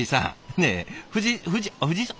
ねえ藤井藤井さん？